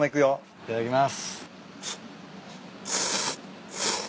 いただきます。